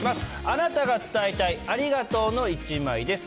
あなたが伝えたい、ありがとうの１枚です。